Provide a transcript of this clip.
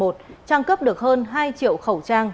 trang cấp được hơn hai triệu khẩu trang